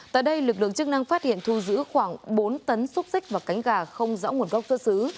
tại đây lực lượng chức năng phát hiện thu giữ khoảng bốn tấn xúc xích và cánh gà không rõ nguồn gốc xuất xứ